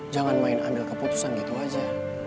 jangan main ambil keputusan gitu aja